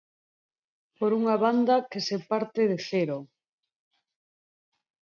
Por unha banda, que se parte de cero.